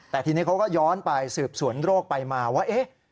แต่ทีนี้เขาก็ย้อนไปสืบสวนโรคไปมาว่า